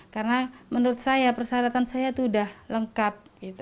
karena menurut saya persyaratan saya itu sudah lengkap